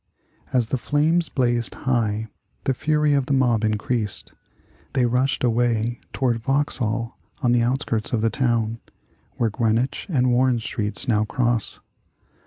As the flames blazed high, the fury of the mob increased. They rushed away toward Vauxhall on the outskirts of the town (where Greenwich and Warren Streets now cross).